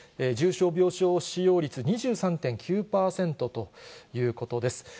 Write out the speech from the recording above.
重症病床使用率２３．９％ということです。